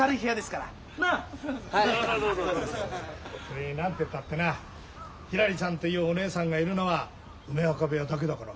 それに何てったってなひらりちゃんというおねえさんがいるのは梅若部屋だけだから。